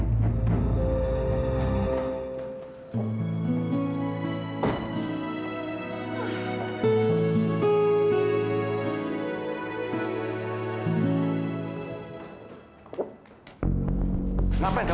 nona kerja disini